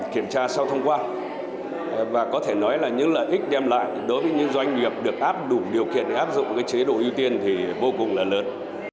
kiểm tra sau thông quan và có thể nói là những lợi ích đem lại đối với những doanh nghiệp được áp đủ điều kiện để áp dụng chế độ ưu tiên thì vô cùng là lớn